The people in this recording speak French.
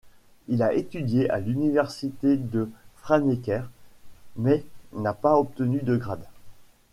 Il a étudié à l’Université de Franeker mais n’a pas obtenu de grade.